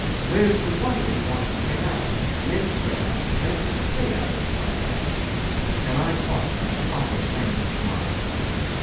Where's the wonder he wanted to get out, meant to get out, meant to stay out by heavens! And I talked about proper frames of mind!